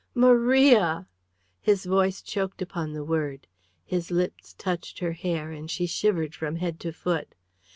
"Maria!" His voice choked upon the word, his lips touched her hair, and she shivered from head to foot.